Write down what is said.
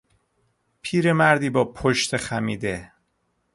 پیرمردی با پشت خمیده